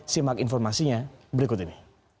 simak informasinya berikut ini